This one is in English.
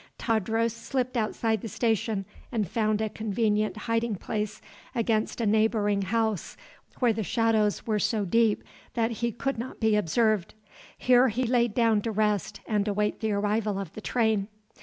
Tadros slipped outside the station and found a convenient hiding place against a neighboring house, where the shadows were so deep that he could not be observed. Here he laid down to rest and await the arrival of the train.